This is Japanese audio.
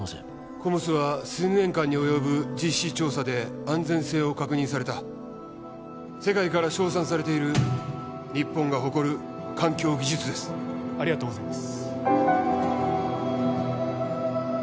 ＣＯＭＳは数年間に及ぶ実地調査で安全性を確認された世界から称賛されている日本が誇る環境技術ですありがとうございます